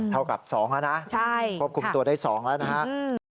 เท่ากับ๒แล้วนะควบคุมตัวได้๒แล้วนะครับ